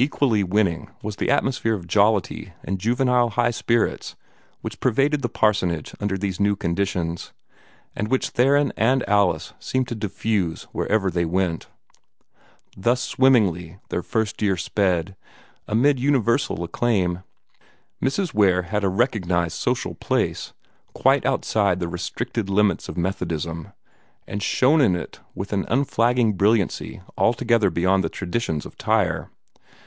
Equally winning was the atmosphere of jollity and juvenile high spirits which pervaded the parsonage under these new conditions, and which Theron and Alice seemed to diffuse wherever they went. Thus swimmingly their first year sped, amid universal acclaim. Mrs. Ware had a recognized social place, quite outside the restricted limits of Methodism, and shone in it with an unflagging brilliancy altogether beyond the traditions of Tyre.